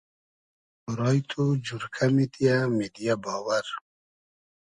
تۉرایی تو جورکۂ میدیۂ میدیۂ باوئر